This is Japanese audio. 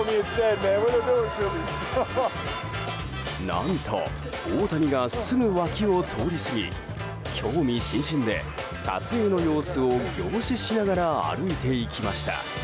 何と、大谷がすぐ脇を通り過ぎ興味津々で撮影の様子を凝視しながら歩いていきました。